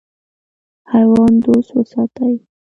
حیوان دوست وساتئ.